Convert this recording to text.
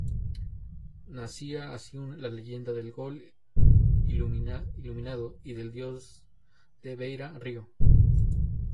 Nacía así la leyenda del "Gol Iluminado" y del Dios de Beira Rio.